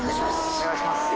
お願いします。